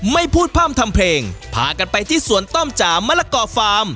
ไม่พูดพร่ำทำเพลงพากันไปที่สวนต้มจ่ามะละกอฟฟาร์ม